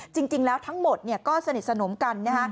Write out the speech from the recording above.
จริงแล้วทั้งหมดก็สนิทสนมกันนะฮะ